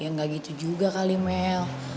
ya nggak gitu juga kali mel